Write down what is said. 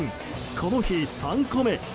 この日、３個目。